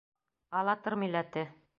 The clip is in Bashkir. Алатыр милләте.